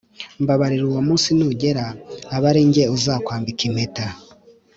Mbabarira uwo munsi nugera abe arinjye uzakwambika impeta.